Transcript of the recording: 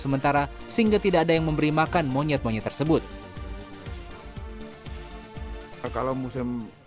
sementara sehingga tidak ada yang memberi makan monyet monyet tersebut kalau musim